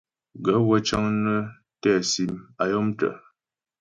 Gaə̂ wə́ cə́ŋ nə́ tɛ́ sim a yɔ̀mtə́.